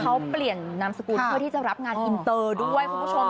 เขาเปลี่ยนนามสกุลเพื่อที่จะรับงานอินเตอร์ด้วยคุณผู้ชม